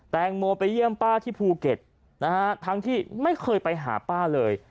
แตงโมไปเยี่ยมป้าที่ภูเก็ตนะฮะทั้งที่ไม่เคยไปหาป้าเลย